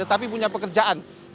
tetapi punya pekerjaan